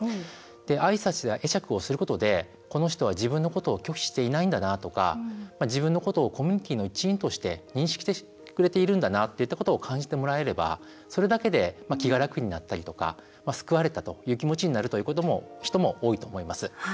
あいさつや会釈をすることでこの人は自分のことを拒否していないんだなとか自分のことをコミュニティーの一員として認識してくれているんだなといったことを感じてもらえればそれだけで気が楽になったりとか救われたという気持ちになるという人も多いと思います。